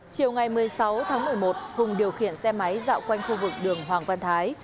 chiều ngày một mươi sáu tháng một mươi một hùng điều khiển xe máy dạo quanh khu vực đường hoàng văn thái